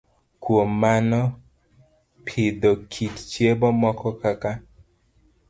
Kuom mano, pidho kit chiemo moko kaka